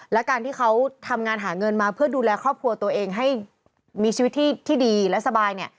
และการที่เขาทำงานหาเงินมาเพื่อดูแลครอบครัวตัวเองให้มีชีวิตที่ดีและสบายเนี่ย